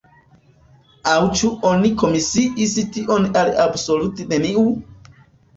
Aŭ ĉu oni komisiis tion al absolute neniu?